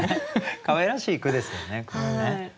かわいらしい句ですよねこれね。